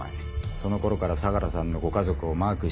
その頃から相良さんのご家族をマークしていたということは